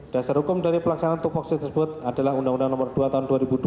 dasar hukum dari pelaksanaan tupuksi tersebut adalah undang undang nomor dua tahun dua ribu dua